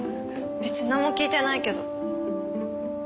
別になんも聞いてないけど。